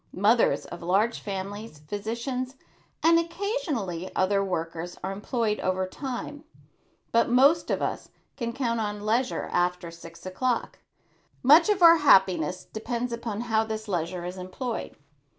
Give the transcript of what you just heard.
Mothers of large families, physicians and occasionally other workers are employed over time; but most of us can count on leisure after six o'clock. Much of our happiness depends upon how this leisure is employed.